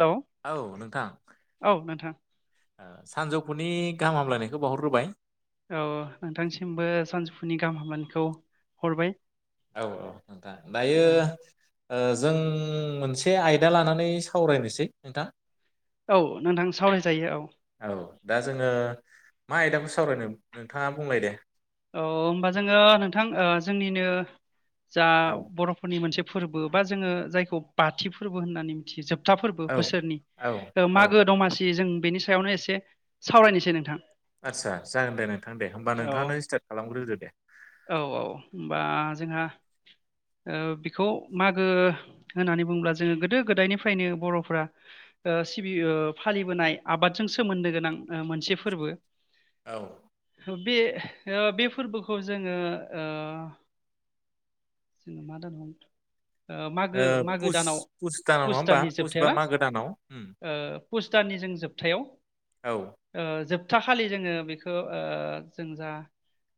Hello औ नोंथां औ नोंथां। सानजौफुनि गाहाम हामलायनायखौ बावहरग्रोबाय। औ नोंथांसिमबो सानजौफुनि गाहाम हामग्लायनायखौ हरबाय। औ औ नोंथां दायो औ ओ जों मोनसे आयदा लानानै सावरायनोसै नोंथां। औ नोंथां सावरायजायो औ। औ दा जोङो मा आयदाखौ सावरायनो नोंथाङा बुंलाय दे। औ होमबा जोङो नोंथां ओ जोंनिनो जा औ बर'फोरनि मोनसे फोरबो बा जोङो जायखौ बाथि फोरबो होननानै मिथियो जोब था फोरबो औ बोसोरनि औ ओ औ मागो दमासि जों बेनि सायावनो एसे सावरायनोसै नोंथां। आदसा जागोन दे नोंथां दे होमबा औ नोंथाङानो स्टार औ औ होनबा जों। [unintelligible] ओ बेखौ मागो होननानै बुङोब्ला जोङो गोदो गोदायनिफ्रायनो बर'फ्रा ओ सिबियो फालिबोनाय आबादजों सोमोन्दो गोनां ओ मोनसे फोरबो। औ। बे [unintelligible] बे फोरबोखौ जोङो ओ [inaudible] ओ मागो ओ मागो पुस दानाव दानाव नङा पुस होमबा दाननि पुस जोबथायाव बा ना मागो दानाव उम ओ पुस दाननि जों जोबथायाव औ ओ जोब थाखालि जोङो बेखौ ओ जों जा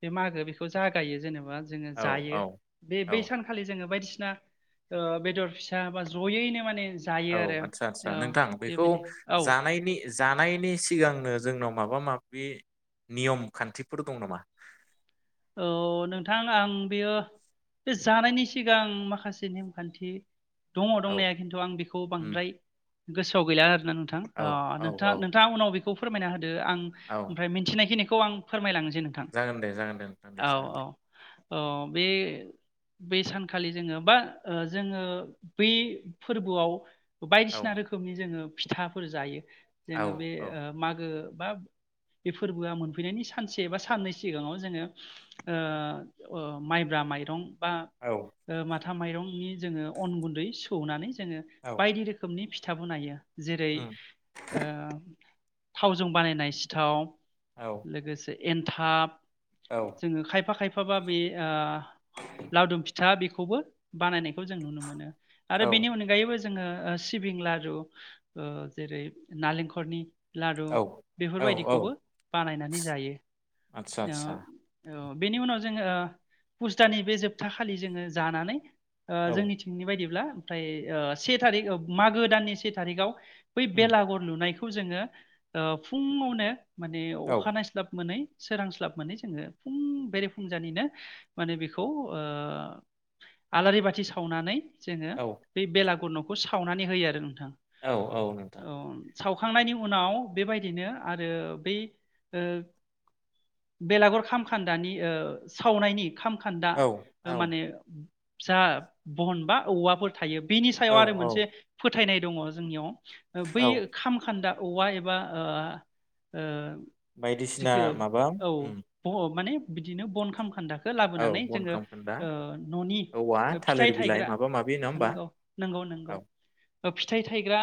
बे मागो बेखौ जागायो जेनेबा जोङो औ जायो औ बे बै औ सानखालि जोङो बायदिसिन ना ओ बेदर फिसा बा ज'यैनो माने जायो औ आरो आदसा आदसा औ नोंथां बेखौ बेबायदि औ जानायनि जानायनि सिगांनो जोंनाव माबा माबि नियम खान्थिफोर दं नामा? औ नोंथां आं बेयो बे जानायनि सिगां माखासे नेमखान्थि दङ औ दंनाया खिन्थु आं बेखौ उम बांद्राय गोसोआव गैला आरो ना नोंथां औ अ औ नोंथां औ नोंथां उनाव बेख खौ फोरमायना होन इयो आं औ ओमफ्राय मिनथिनायखिनि खौ आं फोरमायलांनोस जागोन दे जागोन दे औ जागोन औ दे औ बे बै सानखालि जोङो बा ओ जोङो बै फोरबोआव औ बायदिसिना रोखोमनि जोङो फिथाफोर जायो औ जोङो बे औ ओ मागो बा बे फोरबोआ मोनफैनायनि सानसे बा साननै सिगाङाव जोङो ओ ओ माइब्रा माइरं बा औ ओ माथ था माइरंनि जोङो अन गुन्दै सौनानै जोङो औ बायदि रोखोमनि फि था बनायो। जेरै उम ओ थावजों बानायनाय सिथाव औ लोगोसे एन्थाब औ जोङो खायफा खायफाबा बे ओ लावदुम फिथा बेख खौबो बानायनाय खौ जों नुनो मोनो आरो औ बेनि अनगायैबो ज जोङो ओ सिबिं लारु ओ‌ जेरै नालेंखरनि लारु औ बेफोरबायदिखौबो बानायनानै नि जायो। आथसा ओ आथसा औ बेनि उनाव जोङो ओ पुस्त दाननि बे जोबथा खालि जोङो जानानै ओ औ जोंनिथिंनि बायदिब्ला ओमफ्राय ओ से थारिख मागो दाननि से थारिखाव बै उम बेलागर लुनायखौ खौ जोङो ओ फुङावनो माने औ अखा नायस्लाब मोनै सोरांस्लाब मोनै जोङो फुं बेरे फुंजानिनो माने बेखौ ओ आलारि बाथि सावनानै जोङो औ बै बेलागुर न' बेखौ सावनानै होयो आरो नोंथां औ औ नोंथां औ सावखांनायनि उनाव बेबायदिनो आरो बै बेलागुर खाम खान्दानि ओ सावनायनि खामखोन्दा औ ओ औ माने जा बनबा औवाफोर थायो बेनि सायाव औ आरो औ मोनसे फोथायनाय दङ जोंनियाव बै औ खामखोन्दा औवा एबा ओ ओ बायदिसिना जेखि माबा औ उम ब माने बिदिनो बन खामखोदा औ लाबोनानै बन जोङो खामखोन्दा ओ न'नि औवा फिथाइ थालिर बिलाइ थायग्रा माबा माबि नङा होमबा नंगौ नंगौ नंगौ औ फिथाइ थायग्रा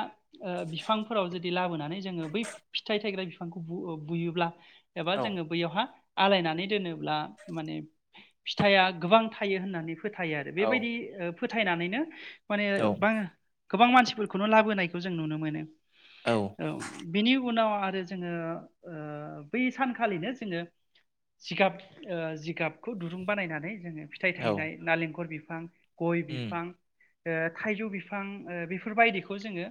ओ बिफांफोराव जुदि लाबोनानै जोङो बै फिथाइ थायग्रा बिफांखौ बुयोब्ला एबा औ जोङो बैयावहा आलायनानै दोनोब्ला माने फिथाइआ गोबां थायो होननानै फोथायो आरो औ बेबायदि फोथायनानैनो माने औ बां गोबां मानसिफोरखौनो लाबोनायखौ जों नुनो मोनो औ बिनि उनाव आरो जोङो ओ बै सानखालिनो जोङो जिगाब ओ जिगाबखौ दुरुं बानायनानै जोङो फिथाइ औ थायनाय नालेंखर बि थां। गय उम बिफां ओ थाइजौ बिफां ओ बेफोरबायदिखौ जोङो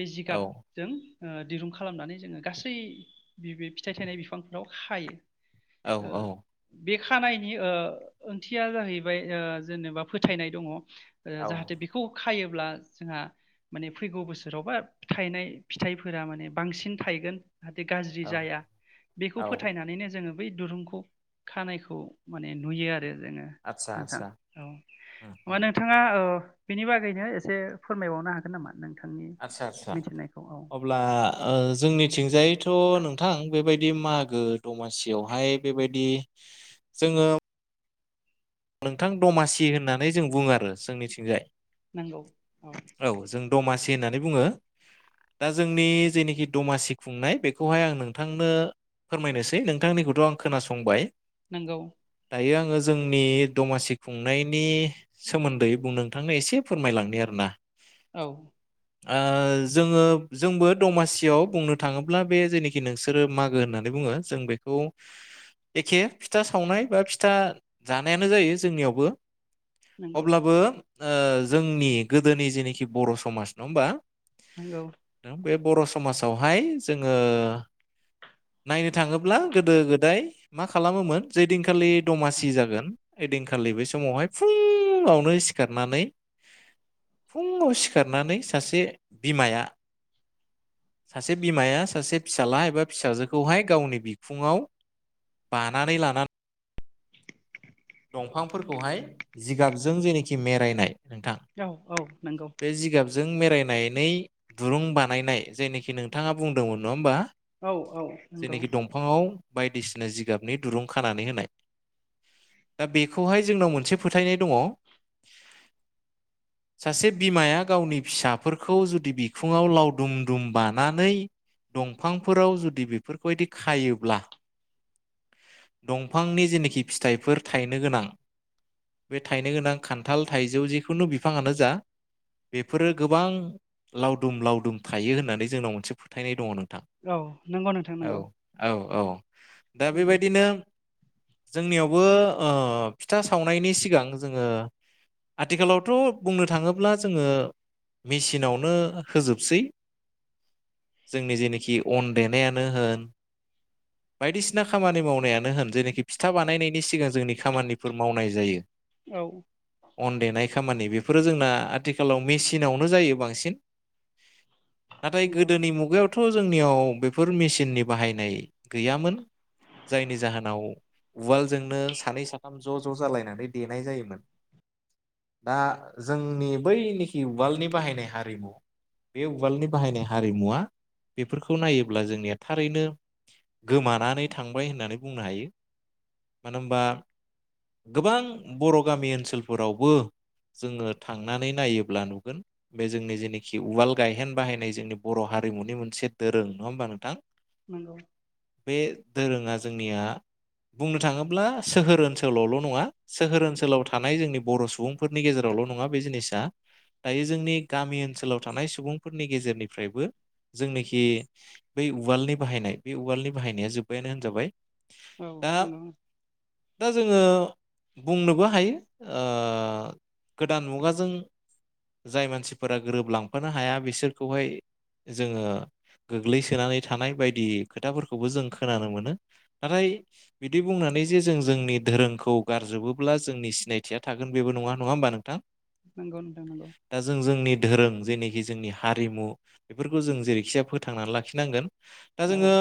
बे औ जिगाबजों ओ दिरुं खालामनानै जोङो गासै फिथाइ थायनाय बिफांफोराव खायो। औ ओ औ बे खानायनि ओ ओंथिया जाहैबाय ओ जेनेबा फोथायनाय दङ' ओ औ जाहाथे बेखौ खायो अब्ला जोंहा माने फैगौ बोसोरावबा थायनाय फिथाइफोरा माने बांसिन थायगोन। जाहाथे गाज्रि औ जाया बेखौ औ फोथायनानैनो जोङो बै दुरुंखौ खानायखौ माने नुयो आरो। जोङो आतसा नोंथां आतसा औ उम होमबा उम नोंथाङा बेनि बागैनो एसे फोरमायबावनो हागोन नामा नों आदसा आदसा अब्ला ओ जोंनिथिंजायथ' नोंथां बेबायदि बिदि मागो दमासियावहाय बेबायदि जोङो नोंथां दमासि होननानै जों बुङो आरो जोंनिथिंजाय। नंगौ औ जों दमासि होननानै बुङो दा जोंनि जेनोखि दमासि खुंनाय बेखौहाय आं नोंथांनो फोरमायनोसै नोंथांनिखौथ' आं खोनासंबाय। नंगौ दायो आङो जोंनि दमासि खुंनायनि सोमोन्दै बुं नोंथांनो एसे फोरमायलांनो आरोना। औ ओ जोङो जोंबो दमासियाव बुंनो थाङोब्ला बे जेनोखि नोंसोरो मागो होननानै बुङो जों बेखौ एखे फिथा सावनाय बा फिथा जानाय नो जायो जोंनियावबो। नंगौ अब्लाबो ओ जोंनि गोदोनि जेनोखि बर' समाज नङा होमबा? नोंगौ बे बर' समाजावहाय जोङो नायनो थाङोब्ला गोदो गोदाय मा खालामोमोन जे दिनखालि दमासि जागोन ओइदिनखालि बै समावहाय फुङावनो सिखारनानै फुङाव सिखारनानै सासे बिमाया सासे बिमाया सासे फिसाला एबा फिसाजोखौहाय गावनि बिखुङाव बानानै लाना दंफांफोरखौहाय जिगाबजों जेनाखि मेरायनाय नोंथां औ औ नंगौ बे जिगाबजों मेरायनानै दुरुं बानायनाय जायनिखि नोंथाङा बुंदोंमोन नङा होमबा औ औ नंगौ जेनोखि दंफाङाव बायदिसिना जिगाबनि दुरुं खानानै होनाय दा बेखौहाय जोंनाव मोनसे फोथायनाय दङ सासे बिमाया गावनि फिसाफोरखौ जुदि बिखुङाव लावदुम दुम बानानै दंफांफोराव जुदि बेफोरबायदि खायोब्ला दंफांनि जेनाखि फिथाइफोर थाइनो गोनां बे थाइनो गोनां खान्थाल थाइजौ जिखुनु बिफाङानो जा बेफोरो गोबां लावदुम लावदुम थायो होननानै जोंनाव मोनसे फोथायनाय दङ नों थां औ नंगौ नोंथां औ नंगौ औ दा उम बेबायदिनो जोंनियाव ब ओ फिथा सावनायनि सिगां जोङो आथिखालावथ' बुंनो थाङोब्ला जोङो मेसिनावनो होजोबसै जोंनि जिनोखि अन देनायानो होन बायदिसिना खामानि मावनायानो होन जेनोखि फिथा बानायनायनि सिगां जोंनि खामानिफोर मावनाय जायो। औ अन देनाय खामानि बेफोरो जोंना आथिखालाव मेसिनावनो जायो बांसिन। नाथाय नंगौ गोदोनि मुगायावथ' जोंनियाव बेफोर मिसिननि बाहायनाय गैयामोन जायनि जाहोनाव उवालजोंनो सानै साथाम ज' ज' जालायनानै देनाय जायोमोन दा जोंनि बैनोखि उवालनि बाहायनाय हारिमु बे उवालनि बाहायनाय हारिमुवा बेफोरखौ नायोब्ला जोंनिया थारैनो गोमानानै थांबाय होननानै बुंनो हायो मानो होनबा गोबां बर' गामि ओनसोलफोरावबो जोङो थांनानै नायोब्ला नुगोन बे जोंनि जेनोखि उवाल गायहेन बाहायनाय जोंनि बर' हारिमुनि मोनसे दोरों नङा होमबा नोंथां? नंगौ बे दोरोङा जोंनिया बुंनो थाङोब्ला सोहोर ओनसोलावल' नङा सोहोर ओनसोलाव थानाय जोंनि बर' सुबुंफोरनि गेजेरावल' नङा बे जिनिसा दायो जोंनि गामि ओनसोलाव थानाय सुबुंफोरनि गेजेरनिफ्रायबो जोंनोखि बै उवालनि बाहायनाय बे उवालनि बाहायनाया जोब्बायानो होनजाबाय। औ दा नंगौ ओं दा जोङो बुंनोबो हायो ओ गोदान मुगाजों जाय मानसिफोरा गोरोबलांफानो हाया बिसोरखौहाय जोङो गोग्लैसोनानै थानाय बायदि खोथाफोरखौबो जों खोनानो मोनो नाथाय बिदि बुंनानै जे जों जोंनि धोरोंखौ गारजोबोब्ला जोंनि सिनायथिया थागोन बेबो नङा नङा होमबा नोंथां? नंगौ नोंथां नंगौ दा जों जोंनि धोरों जेनोखि जोंनि हारिमु बेफोरखौ जों जेरैखिजाया फोथांनानै लाखिनांगोन। दा औ जोङो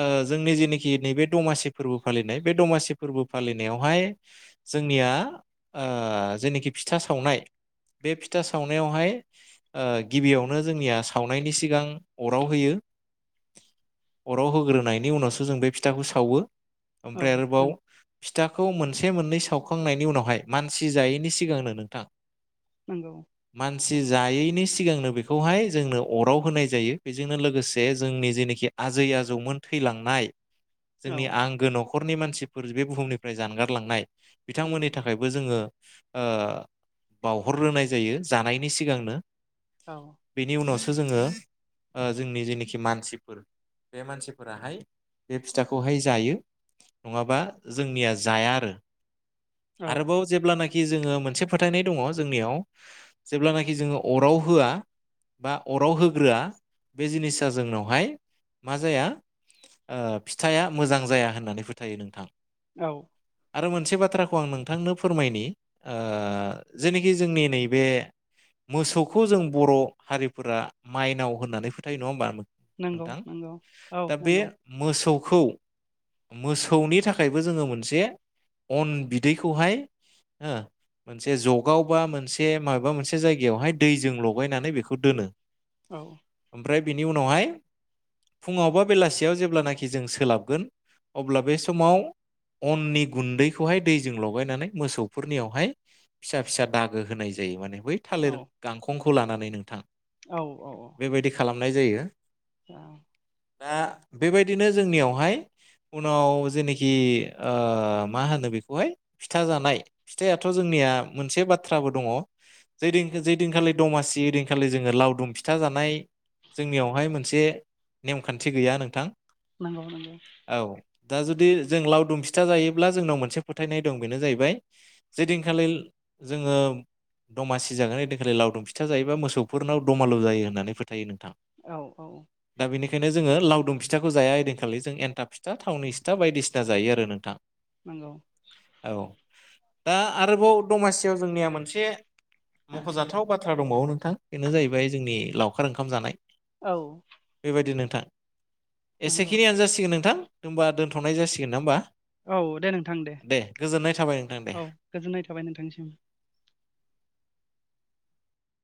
ओ जोंनि जेनिख खि नैबे दमासि फोरबो फालिनाय बे दमासि बे फोरबो फालिनायावहाय जोंनिया ओ जेनोखि फिथा सावनाय बे फिथा सावनायावहाय ओ गिबियावनो जोंनिया सावनायनि सिगां अराव होयो अराव होग्रोनायनि उनावसो जों बे फिथाखौ सावो। औ ओमफ्राय आरोबाव फिथाखौ मोनसे मोननै सावखांनायनि उनावहाय मानसि जायैनि सिगांनो नोंथां नंगौ औ मानसि जायैनि सिगांनो बेखौहाय जोंनो अराव होनाय जायो बेजोंनो लोगोसे जोंनि जेनोखि आजै आजौमोन थैलांनाय औ जोंनि आंगो न'ख न'खरनि मानसिब फोर बे बुहुमनिफ्राय जानगारलांनाय नंगौ बिथांमोननि थाखायबो जोङो ओ बावहरग्रोनाय जायो जानायनि सिगांनो। औ बेनि उनावस सो जोङो ओ जोंनि जेनोखि मानसिफोर बे मानसिफोराहाय बे फिथाखौहाय जायो नङा बा जोंनिया जाया आरो। औ आरोबाव जेब्ला नाख खि जोङो मोनसे फोथायनाय दङ जोंनियाव जेब्लानाखि जोङो अराव होआ बा अराव होग्रोआ बे जिनिसा जोंनावहाय मा जाया ओ फिथाइआ मोजां जाया होननानै फोथायो नों थां। औ आरो मोनसे बाथ्राखौ आं नोंथांनो फोरमायनि ओ जेनोखि जोंनि नैबे मोसौखौ जों बर' हारिफोरा माइनाव होननानै फोथायो नङा होमबा? नंगौ नोंथां नंगौ औ दा बे नंगौ मोसौ खौ मोस खौनि थाखायबो जोङो मोनसे अन बिदैखौहाय हो मोनसे जगाव बा मोनसे मायबा मोनसे जायगायावहाय दैजों लगायनानै बेखौ दोनो। औ फ्राय बिनि उनावहाय फुङावबा बेलासियाव जेब्लानाखि जों सोलाबगोन अब्ला बे समाव अननि गुन्दैखौहाय दैजों लगायनानै मोसौफोरनियावहाय फिसा फिसा दागो होनाय ज जायो माने बै थालिर गांखं खौ लानानै नोंथां। औ औ अ नाय जायो। औ दा बेबायदिनो जोंनियावहाय उनाव जेनोखि ओ मा होनो बेखौहाय फिथा जानाय फिथाइआथ' जोंनिया मोनसे बाथ्राबो दङ जैदिन जैदिनखालि दमासि ओइदिनखालि जोङो लावदुम फिथा जानाय जोंनियावहाय मोनसे नेमखान्थि गैया नोंथां। नंगौ नंगौ। औ दा जुदि जों लावदुम फिथा जायोब्ला जोंनाव मोनसे फोथायनाय दं बेनो जाहैबाय जे दिनखालि जोङो दमासि जागोन ओइदिनखालि लावदुम फिथा जायोबा मोसौफोरनाव दमालु जायो होननानै फोथायो नों औ औ खायनो जोङो लावदुम फिथाखौ जाया ओइदिनखालि जों एन्थाब फिथा, थावनि फि फिथा बायदिसिना जायो आरो नोंथां। नंगौ। औ दा आरोबाव दमासियाव जोंनिया मोनसे मख'जाथाव बाथ्रा दंबावो नोंथां बेनो जाहैबाय जोंनि लावखार ओंखाम जानाय। औ बायदि नोंथां नंगौ एसेखिनियानो जासिगोन नोंथां। होमबा दोनथ संनाय जासिगोन ना होमबा? औ दे नोंथां दे गोजोननाय थाबाय नोंथां दे औ गोजोननाय थाबाय नोंथांनिसिम।